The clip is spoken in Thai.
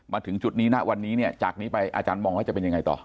มาถึงจุดนี้ณวันนี้เนี่ยจากนี้ไปอาจารย์มองว่าจะเป็นยังไงต่อ